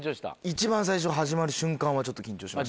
一番最初始まる瞬間はちょっと緊張しました。